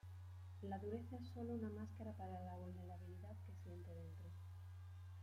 La dureza es solo una máscara para la vulnerabilidad que siente dentro.